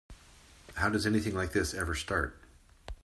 How does anything like this ever start?